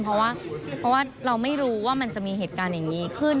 เพราะว่าเราไม่รู้ว่ามันจะมีเหตุการณ์อย่างนี้ขึ้น